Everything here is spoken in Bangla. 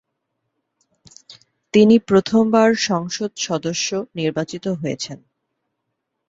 তিনি প্রথমবার সংসদ সদস্য নির্বাচিত হয়েছেন।